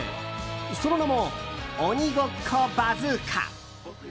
その名も、鬼ごっこバズーカ。